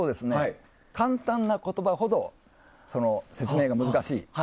簡単な言葉ほど説明が難しい。